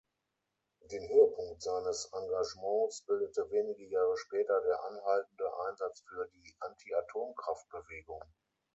Den Höhepunkt seines Engagements bildete wenige Jahre später der anhaltende Einsatz für die Anti-Atomkraft-Bewegung.